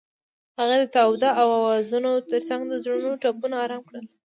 هغې د تاوده اوازونو ترڅنګ د زړونو ټپونه آرام کړل.